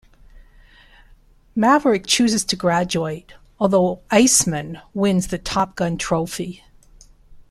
Maverick chooses to graduate, though Iceman wins the Top Gun Trophy.